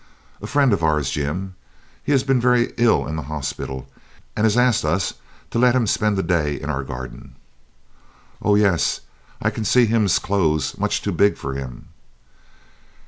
"A friend of ours, Jim. He has been very ill in the hospital and has asked us to let him spend the day in our garden." "Oh yes, I can see him's cloes much too big for him."